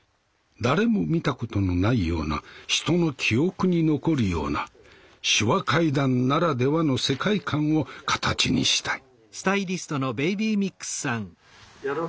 誰も見たことのないような人の記憶に残るような「手話怪談」ならではの世界観を形にしたい。